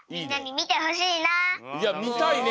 いやみたいね。